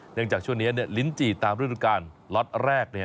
เนื่องจากช่วงนี้เนี่ยลิมจีตามรูปการณ์ล็อตแรกเนี่ย